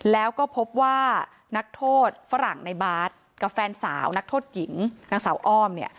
แล้วก็พบว่านักโทษฝรั่งในบาร์ดกับแฟนสาวนักโทษหญิงนางสาวอ้อมเนี่ย